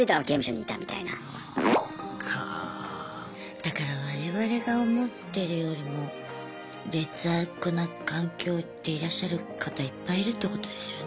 だから我々が思ってるよりも劣悪な環境でいらっしゃる方いっぱいいるってことですよね。